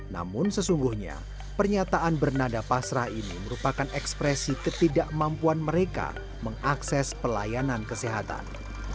namun sesungguhnya pernyataan bernada pasrah ini merupakan ekspresi ketidakmampuan mereka mengakses pelayanan kesehatan